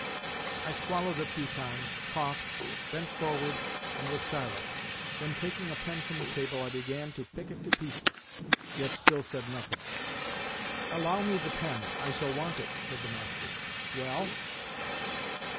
I swallowed a few times, coughed, bent forward, and was silent. Then, taking a pen from the table, I began to pick it to pieces, yet still said nothing. "Allow me the pen—I shall want it," said the master. "Well?"